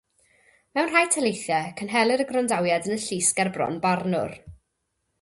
Mewn rhai taleithiau, cynhelir y gwrandawiad yn y llys gerbron barnwr.